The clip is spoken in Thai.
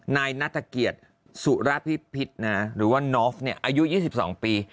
นายนัฐเกียรติสุรพิพิษหรือว่านอฟอายุ๒๒ปี